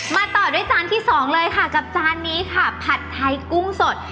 ต่อด้วยจานที่สองเลยค่ะกับจานนี้ค่ะผัดไทยกุ้งสด